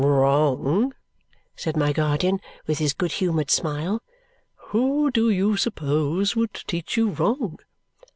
"Wrong?" said my guardian with his good humoured smile. "Who do you suppose would teach you wrong?"